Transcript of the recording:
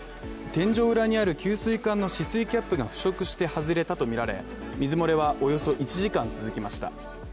天井裏にある給水管の止水キャップが腐食して外れたとみられ水漏れはおよそ１時間続きました。